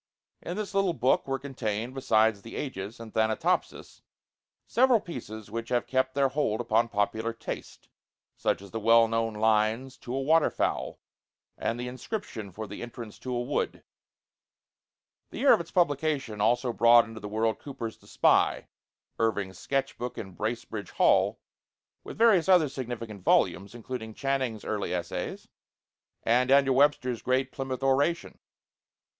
In this little book were contained, besides 'The Ages' and 'Thanatopsis,' several pieces which have kept their hold upon popular taste; such as the well known lines 'To a Waterfowl' and the 'Inscription for the Entrance to a Wood.' [Illustration: WILLIAM CULLEN BRYANT.] The year of its publication also brought into the world Cooper's 'The Spy,' Irving's 'Sketch Book' and 'Bracebridge Hall,' with various other significant volumes, including Channing's early essays and Daniel Webster's great Plymouth Oration.